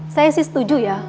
saya sih setuju ya